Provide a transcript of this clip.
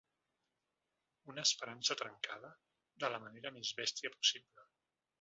Una esperança trencada de la manera més bèstia possible.